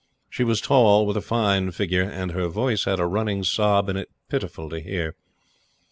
She was tall, with a fine figure, and her voice had a running sob in it pitiful to hear.